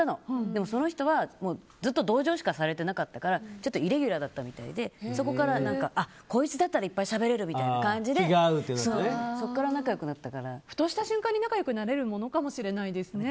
でも、その人はずっと同情しかされてなかったからイレギュラーだったみたいでそこからこいつだったらいっぱいしゃべれるみたいな感じでふとした瞬間に仲良くなれるものかもしれないですね。